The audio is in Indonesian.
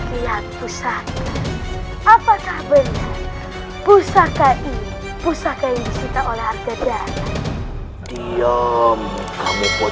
kau wakt ini berusaha untuk membunuhku